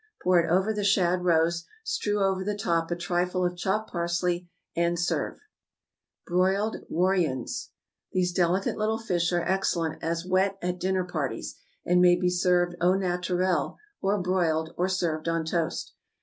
Pour it over the shad roes, strew over the top a trifle of chopped parsley, and serve. =Broiled Royans.= These delicate little fish are excellent as whet at dinner parties, and may be served au naturel, or broiled, or served on toast.